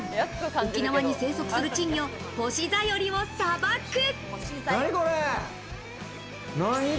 沖縄に生息する珍魚ホシザヨリをさばく。